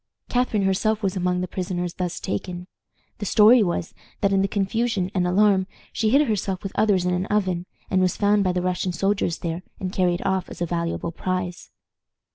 Catharine herself was among the prisoners thus taken. The story was, that in the confusion and alarm she hid herself with others in an oven, and was found by the Russian soldiers there, and carried off as a valuable prize.